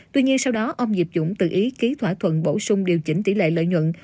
tuy nhiên sau đó ông diệp dũng tự ý ký thỏa thuận bổ sung điều chỉnh tỷ lệ lợi nhuận